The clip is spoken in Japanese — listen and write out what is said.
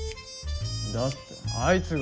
だってあいつが。